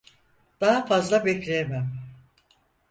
Daha fazla bekleyemem.